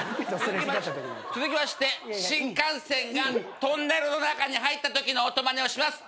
続きまして新幹線がトンネルの中に入ったときの音まねをします。